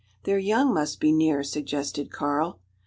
"Their young must be near?" suggested Karl.